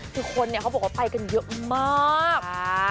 คือคนเนี่ยเขาบอกว่าไปกันเยอะมาก